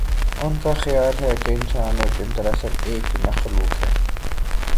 ان کا خیال ہے کہ انسان اور جن دراصل ایک ہی مخلوق ہے۔